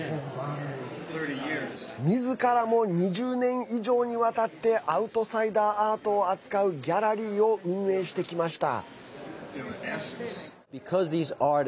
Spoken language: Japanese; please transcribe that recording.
みずからも２０年以上にわたってアウトサイダーアートを扱うギャラリーを運営してきました。